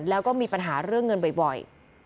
แล้วก็มีปัญหาเรื่องเงินบ่อย